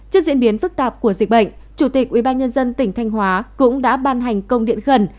trước diễn biến phức tạp của dịch bệnh chủ tịch ubnd tỉnh thanh hóa cũng đã ban hành công điện khẩn